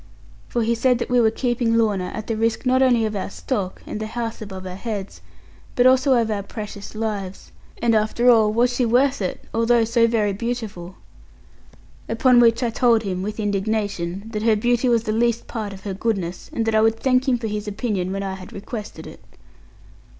For he said that we were keeping Lorna, at the risk not only of our stock, and the house above our heads, but also of our precious lives; and after all was she worth it, although so very beautiful? Upon which I told him, with indignation, that her beauty was the least part of her goodness, and that I would thank him for his opinion when I had requested it.